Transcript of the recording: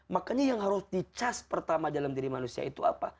makanya yang harus di charge pertama dalam diri manusia itu apa